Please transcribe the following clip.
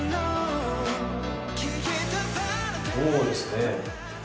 そうですねまあ